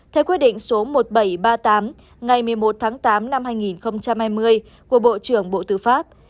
theo quyết định số một nghìn bảy trăm ba mươi tám ngày một mươi một tháng tám năm hai nghìn hai mươi của bộ trưởng bộ tư pháp